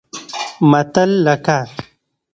متل لکه